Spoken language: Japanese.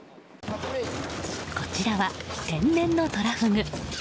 こちらは、天然のトラフグ。